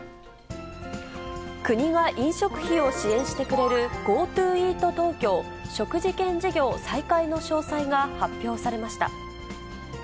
国が飲食費を支援してくれるＧｏＴｏイートＴｏｋｙｏ食事券事業再開の詳細が発表されました。